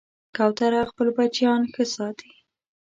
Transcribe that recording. کوتره خپل بچیان ښه ساتي.